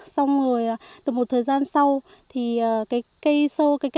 xong rồi được một thời gian sau thì cái cây sâu cái cây con sâu non nó bắt đầu là